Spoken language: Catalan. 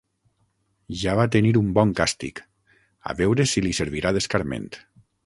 Ja va tenir un bon càstig: a veure si li servirà d'escarment.